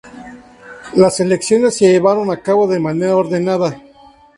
Las elecciones se llevaron a cabo de manera ordenada.